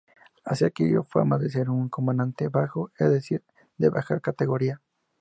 Así adquirió fama de ser un comandante bajo, es decir, de baja categoría.